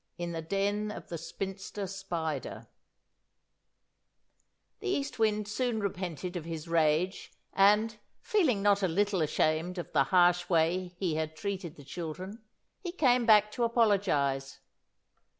IN THE DEN OF THE SPINSTER SPIDER The East Wind soon repented of his rage, and, feeling not a little ashamed of the harsh way he had treated the children, he came back to apologise.